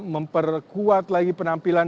memperkuat lagi penampilan